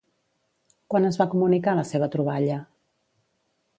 Quan es va comunicar la seva troballa?